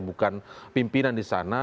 bukan pimpinan di sana